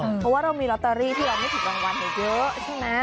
เพราะว่าเรามีลอตเตอรี่ที่เราไม่ถูกรางวัลเยอะใช่ไหม